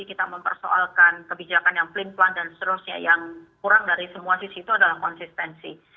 kita mempersoalkan kebijakan yang pelin pelan dan seterusnya yang kurang dari semua sisi itu adalah konsistensi